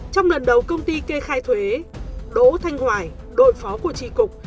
trong lần đầu công ty kê khai thuế đỗ thanh hoài đội phó của tri cục